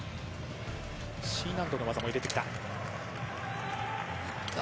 Ｃ難度の技も入れてきました。